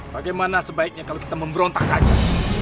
bagaimana sebaiknya kalau kita memberontak saja